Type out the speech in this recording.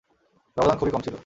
ব্যবধান খুবই কম ছিল।